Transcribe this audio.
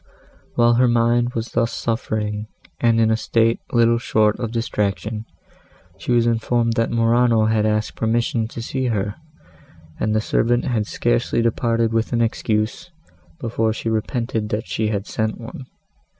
While her mind was thus suffering and in a state little short of distraction, she was informed that Morano asked permission to see her, and the servant had scarcely departed with an excuse, before she repented that she had sent one.